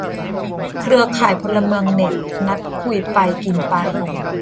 เครือข่ายพลเมืองเน็ต นัดคุยไปกินไป